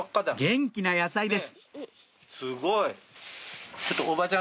元気な野菜ですすごい。